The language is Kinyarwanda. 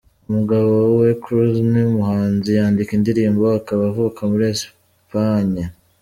Umugabo we Cruz ni umuhanzi, yandika indirimbo, akaba avuka mur Esipanye.